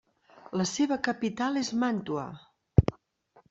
La seva capital és Màntua.